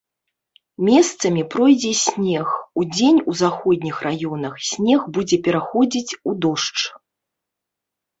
Месцамі пройдзе снег, удзень у заходніх раёнах снег будзе пераходзіць у дождж.